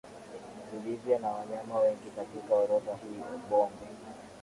ilivyo na wanyama wengi katika orodha hii bonde